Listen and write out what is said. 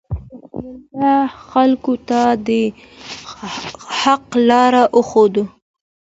رسول الله خلکو ته د حق لار وښوده.